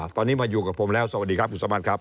ตอนนี้มาอยู่กับผมแล้วสวัสดีครับคุณสามารถครับ